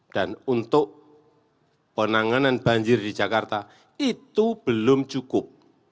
dan untuk penanganan banjir di jakarta itu belum cukup